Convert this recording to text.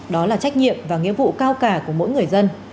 đó là trách nhiệm và nghĩa vụ cao cả của mỗi người dân